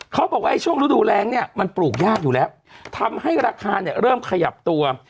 เขาบอกว่าช่วงฤดูแรงเนี่ยมันปลูกยากอยู่แล้วทำให้ราคาเนี่ยเริ่มขยับตัว